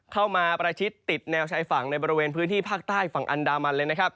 ประชิดติดแนวชายฝั่งในบริเวณพื้นที่ภาคใต้ฝั่งอันดามันเลยนะครับ